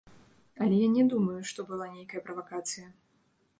Але я не думаю, што была нейкая правакацыя.